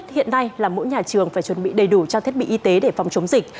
thứ hai là mỗi nhà trường phải chuẩn bị đầy đủ cho thiết bị y tế để phòng chống dịch